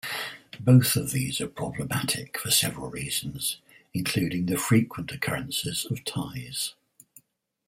Both of these are problematic for several reasons, including the frequent occurrences of ties.